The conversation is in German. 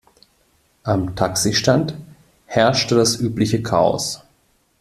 Am Taxistand herrschte das übliche Chaos.